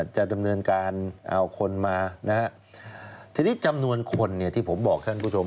จะดำเนินการเอาคนมานะฮะทีนี้จำนวนคนเนี่ยที่ผมบอกท่านผู้ชม